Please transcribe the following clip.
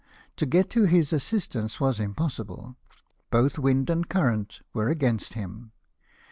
To get to his assistance was impossible ; both wind and current were against him.